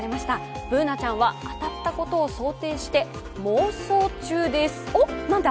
Ｂｏｏｎａちゃんは当たったことを想定して妄想中です、おっ何だ？